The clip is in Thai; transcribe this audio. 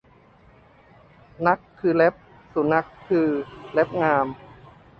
นัขคือเล็บ สุนัขก็คือเล็บงาม